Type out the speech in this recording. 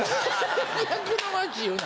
最悪の街言うな。